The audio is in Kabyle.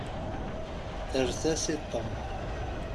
Erret-as i Tom.